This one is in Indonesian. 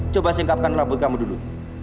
coba singkapkanlah buat kamu dulu